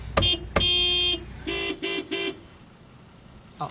あっ。